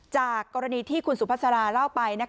จากกรณีที่คุณสุภาษาราเล่าไป